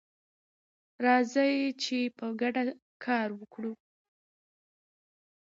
راځئ چې په ګډه کار وکړو.